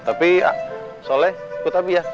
tapi soleh ikut abis ya